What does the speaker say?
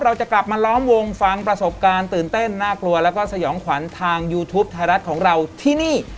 เราจะกลับมาล้อมวงฟังประสบการณ์ตื่นเต้นน่ากลัวแล้วก็สยองขวัญทางยูทูปไทยรัฐของเราที่นี่